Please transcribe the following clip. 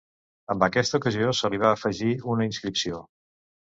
Amb aquesta ocasió se li va afegir una inscripció.